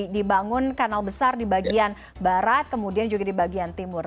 dibangun kanal besar di bagian barat kemudian juga di bagian timur